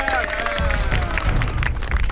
อ้ามาแล้ว